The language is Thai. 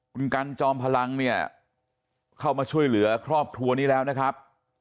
คุณกันจอมพลังเนี่ยเข้ามาช่วยเหลือครอบครัวนี้แล้วนะครับ